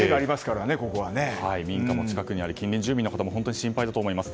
民家が近くにあり近隣住民の方も本当に心配だと思います。